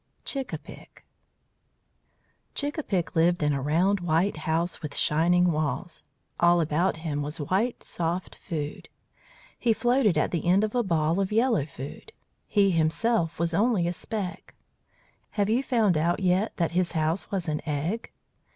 CHICK A PICK Chick a pick lived in a round white house with shining walls. All about him was white soft food; he floated at the end of a ball of yellow food. He himself was only a speck. Have you found out yet that his house was an egg?